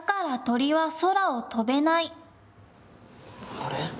あれ？